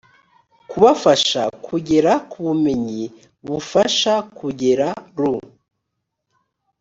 kubafasha kugera kubumenyi bufasha kugera ru